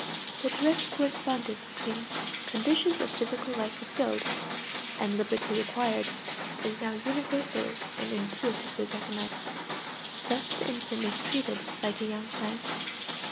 The direct correspondence between "conditions of physical life fulfilled" and "liberty acquired" is now universally and intuitively recognized. Thus the infant is treated like a young plant.